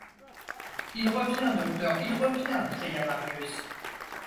Il revient ! docteur, il revient ! cria Marius.